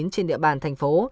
trên địa bàn thành phố